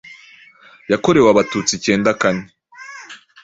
yakorewe Abatutsi icyenda kane